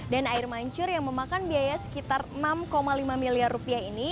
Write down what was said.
dan air mancur yang memakan biaya sekitar enam lima miliar rupiah ini